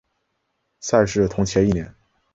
赛制同前一年。